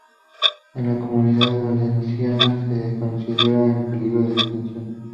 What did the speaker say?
En la Comunidad Valenciana se considera en peligro de extinción.